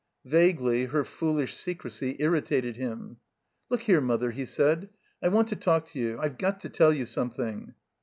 Vaguely her foolish secrecy irritated him. "Look here. Mother," he said, '*I want to talk to you. I've got to tell you something."